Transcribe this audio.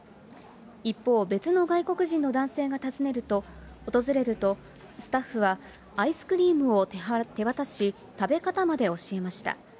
一方、別の外国人の男性が訪れると、スタッフはアイスクリームを手渡し、食べ方まで教えました。